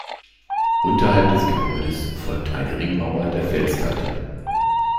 Unterhalb des Gebäudes folgt eine Ringmauer der Felskante.